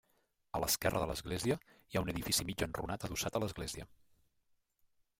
A l'esquerra de l'església hi ha un edifici mig enrunat adossat a l'església.